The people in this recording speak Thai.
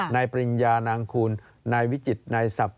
ปริญญานางคูณนายวิจิตรนายศัพท์